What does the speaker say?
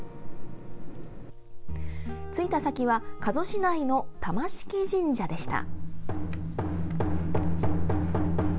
着いた先は加須市内の玉敷神社でした。